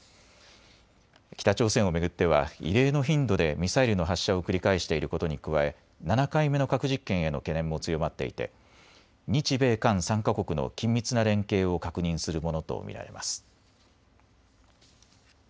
北朝鮮を巡っては異例の頻度でミサイルの発射を繰り返していることに加え、７回目の核実験への懸念も強まっていて日米韓３か国の緊密な連携を確認するものと見られます。